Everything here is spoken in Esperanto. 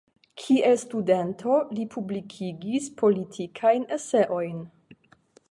Kiel studento li publikigis politikajn eseojn.